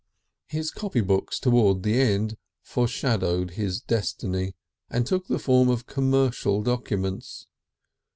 His copy books towards the end foreshadowed his destiny and took the form of commercial documents.